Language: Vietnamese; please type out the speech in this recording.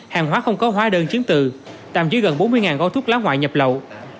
hàng hóa không có hóa đơn chiếm tự tạm dưới gần bốn mươi gói thuốc lá ngoại nhập lậu